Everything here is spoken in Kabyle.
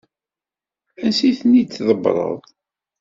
Ansi i ten-id-tḍebbreḍ?